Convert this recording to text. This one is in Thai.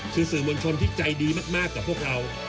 คือสื่อมวลชนที่ใจดีมากกับพวกเรา